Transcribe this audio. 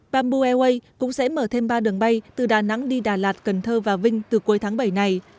bamboo airways cũng sẽ mở thêm ba đường bay từ đà nẵng đi đà lạt cần thơ và vinh từ cuối tháng bảy này